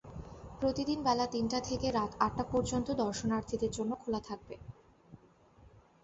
প্রতিদিন বেলা তিনটা থেকে রাত আটটা পর্যন্ত দর্শনার্থীদের জন্য খোলা থাকবে।